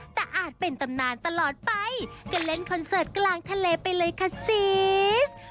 แต่อาจเป็นตำนานตลอดไปก็เล่นคอนเสิร์ตกลางทะเลไปเลยค่ะซีส